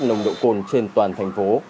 nồng độ cồn trên toàn thành phố